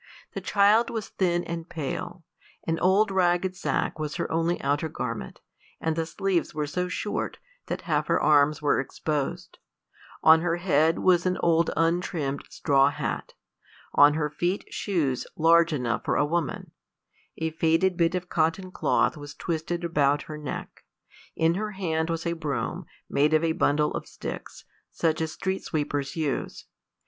The child was thin and pale; an old ragged sacque was her only outer garment, and the sleeves were so short that half her arms were exposed; on her head was an old untrimmed straw hat; on her feet shoes large enough for a woman; a faded bit of cotton cloth was twisted about her neck; in her hand was a broom, made of a bundle of sticks, such as street sweepers use.